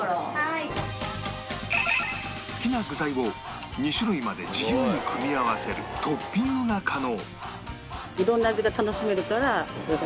好きな具材を２種類まで自由に組み合わせるトッピングが可能